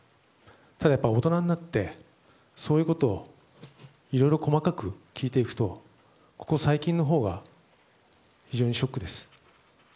ただ、やっぱり大人になってそういうことをいろいろ細かく聞いていくとここ最近のほうが非常にショックです。